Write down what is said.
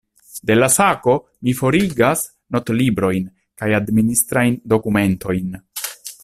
De la sako, mi forigas notlibrojn kaj administrajn dokumentojn.